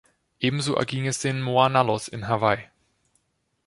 Ebenso erging es den Moa-Nalos in Hawaii.